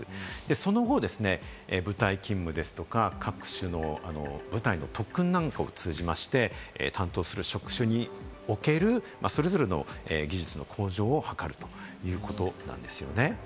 その後、部隊勤務ですとか各種の部隊の特訓なんかを通じまして、担当する職種における、それぞれの技術の向上を図るということなんですね。